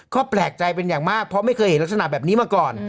ก็แปลกใจเป็นอย่างมากเพราะไม่เคยเห็นลักษณะแบบนี้มาก่อน